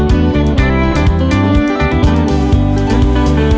tidak kerugi bangun pagi di pulau bawah